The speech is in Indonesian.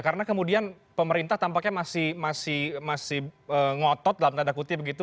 karena kemudian pemerintah tampaknya masih ngotot dalam tanda kutip gitu